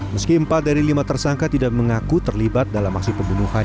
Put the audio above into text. meski empat dari lima tersangka tidak mengaku terlibat dalam aksi pembunuhan